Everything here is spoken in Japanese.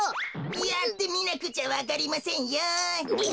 やってみなくちゃわかりませんよ。